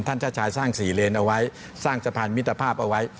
ชาติชายสร้างสี่เลนเอาไว้สร้างสะพานมิตรภาพเอาไว้